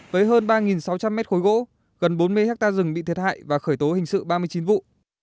với hơn ba sáu trăm linh mét khối gỗ gần bốn mươi hectare rừng bị thiệt hại và khởi tố hình sự ba mươi chín vụ